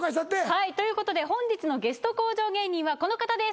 はいということで本日のゲスト向上芸人はこの方ですどうぞ。